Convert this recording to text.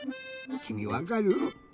きみわかる？